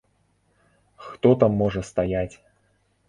Хто там можа стаяць.